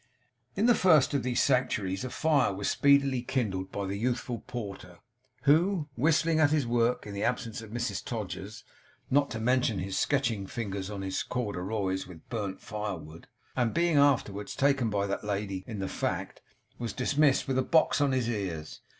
In the first of these sanctuaries a fire was speedily kindled by the youthful porter, who, whistling at his work in the absence of Mrs Todgers (not to mention his sketching figures on his corduroys with burnt firewood), and being afterwards taken by that lady in the fact, was dismissed with a box on his ears.